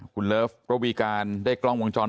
คุณเลิฟโรบีการได้กล้องวงจรนะครับ